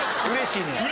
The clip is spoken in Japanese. うれしいの。